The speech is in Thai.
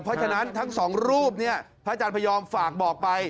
เพราะฉะนั้นทั้งสองรูปเนี่ยพระอาจารย์พยอมฝากบอกไป